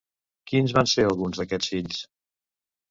Quins van ser alguns d'aquests fills?